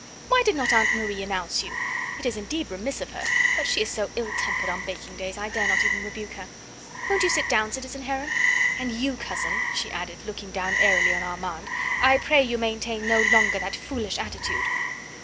"Why did not Aunt Marie announce you?... It is indeed remiss of her, but she is so ill tempered on baking days I dare not even rebuke her. Won't you sit down, citizen Heron? And you, cousin," she added, looking down airily on Armand, "I pray you maintain no longer that foolish attitude."